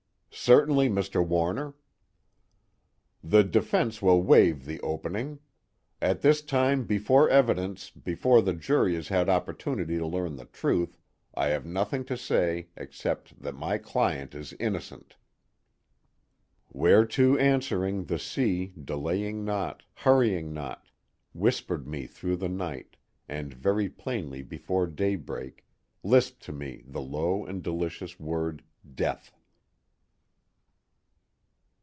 "Certainly, Mr. Warner." "The defense will waive the opening. At this time, before evidence, before the jury has had opportunity to learn the truth, I have nothing to say except that my client is innocent." _Whereto answering, the sea, Delaying not, hurrying not, Whispered me through the night, and very plainly before daybreak, Lisp'd to me the low and delicious word DEATH